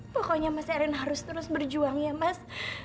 pokoknya mas erin harus terus berjuang ya mas